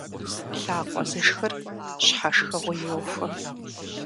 Лъакъуэ зышхыр щхьэ шхыгъуи йохуэ.